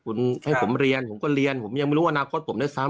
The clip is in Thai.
คุณให้ผมเรียนผมก็เรียนผมยังไม่รู้ว่านาคตผมได้สาม